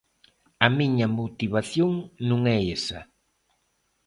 A miña motivación non é esa.